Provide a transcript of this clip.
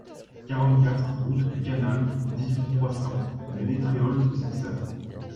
quarante-quatre route du Canal, dix-huit, trois cents, Ménétréol-sous-Sancerre